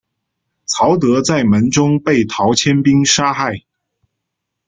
曹德在门中被陶谦兵杀害。